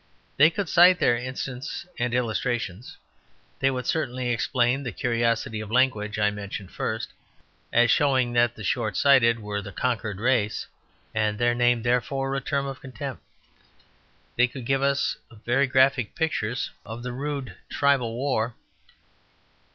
They could cite their instances and illustrations. They would certainly explain the curiosity of language I mentioned first, as showing that the short sighted were the conquered race, and their name therefore a term of contempt. They could give us very graphic pictures of the rude tribal war.